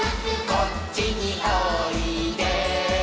「こっちにおいで」